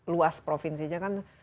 luas provinsinya kan